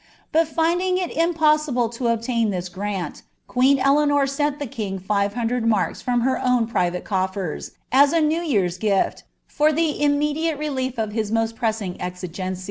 Bui finding it irapoMible to oblu tliia grant, queen Eleanor >enl the king fire hundred marks from te own private eolTers, as a new year's gili, for the immediate reli«f of ha mart pressing etigeaciM.'